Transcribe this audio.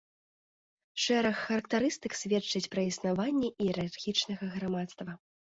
Шэраг характарыстык сведчыць пра існаванне іерархічнага грамадства.